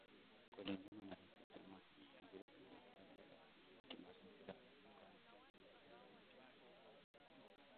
Kulingana na ripoti ya mwaka elfu mbili kumi na saba ya kundi la kimazingira la Muungano juu ya Afya na Uchafuzi wa mazingira